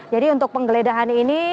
jadi untuk penggeledahan ini